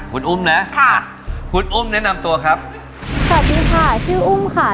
คุณอุ้มนะค่ะคุณอุ้มแนะนำตัวครับสวัสดีค่ะชื่ออุ้มค่ะ